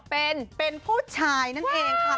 เป็นผู้ชายนั่นเองค่ะ